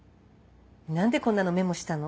何でこんなのメモしたの？